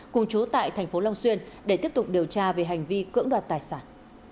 cùng chú tại thành phố long xuyên để tiếp tục điều tra về hành vi cưỡng đoạt tài sản